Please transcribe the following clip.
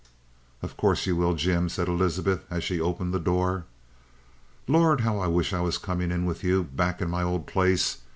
"Of course you will, Jim," said Elizabeth, and she opened the door. "Lord, how I wish I was coming in with you back in my old place!